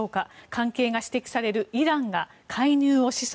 関係が指摘されるイランが介入を示唆。